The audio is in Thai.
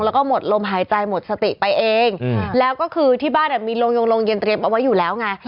แล้วก็หมดลมหายใจหมดสติไปเองแล้วก็คือที่บ้านมีโรงยงโรงเย็นเตรียมเอาไว้อยู่แล้วไง